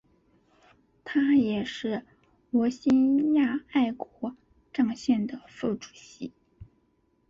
他也是罗兴亚爱国障线的副主席。